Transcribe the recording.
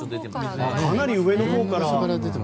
かなり上のほうから。